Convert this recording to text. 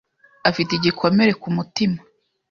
afi te igikomere ku mutima